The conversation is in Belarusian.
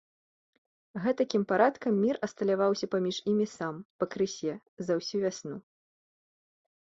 Гэтакім парадкам мір асталяваўся паміж імі сам, пакрысе, за ўсю вясну.